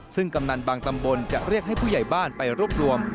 ซึ่งกำนันบางตำบลจะเรียกให้ผู้ใหญ่บ้านไปรวบรวม